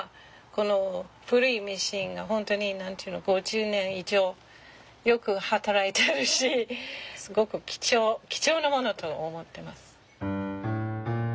この古いミシンが本当に５０年以上よく働いてるしすごく貴重なものと思ってます。